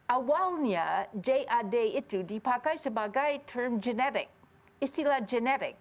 awalnya jad itu dipakai sebagai term genetik